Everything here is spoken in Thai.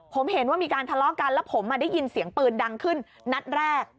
ผมเห็นว่ามีการทะเลาะกันแล้วผมได้ยินเสียงปืนดังขึ้นนัดแรก